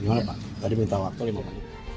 gimana pak tadi minta waktu lima menit